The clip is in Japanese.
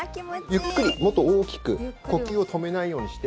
ゆっくり、もっと大きく呼吸を止めないようにして。